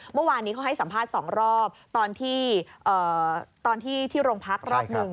เมื่อวานนี้เขาให้สัมภาษณ์สองรอบตอนที่ตอนที่โรงพักรอบหนึ่ง